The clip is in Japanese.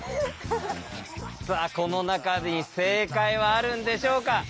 さあこの中に正解はあるんでしょうか？